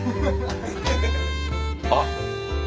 あっ！